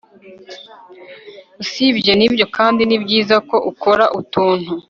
usibye n'ibyo kandi ni byiza ko ukora utuntu